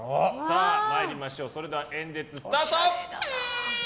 参りましょうそれでは演説スタート！